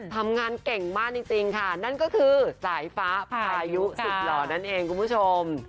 ทำงานเก่งมากจริงค่ะนั่นก็คือสายฟ้าพายุสุดหล่อนั่นเองคุณผู้ชม